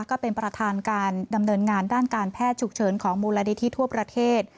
ก็เป็นประธานการดำเนินงานด้านการแพทย์ฉุกเฉินของมูลนิธิทั่วประเทศ